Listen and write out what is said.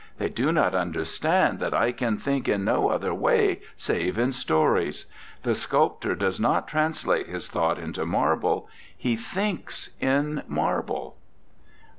They do not understand that I can think in no other way save in stories. The sculptor does not translate his thought into marble; he thinks in marble."